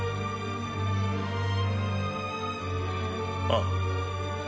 ああ。